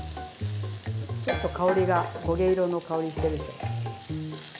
ちょっと香りが焦げ色の香りしてるでしょ。